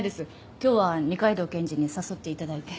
今日は二階堂検事に誘って頂いて。